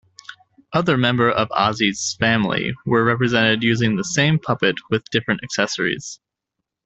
Other members of Ossie's family were represented using the same puppet with different accessories.